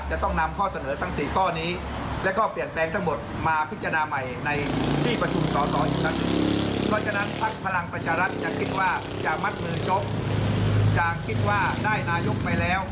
จังคิดว่าจะมัดมือชกจังคิดว่าได้นายกไปแล้ว